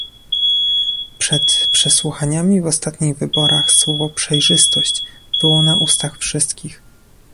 Przed przesłuchaniami w ostatnich wyborach słowo "przejrzystość" było na ustach wszystkich